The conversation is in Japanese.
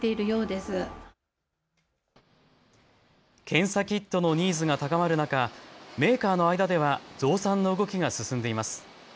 検査キットのニーズが高まる中、メーカーの間では増産の動きが進んでいます。